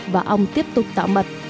và ong tiếp tục tạo mật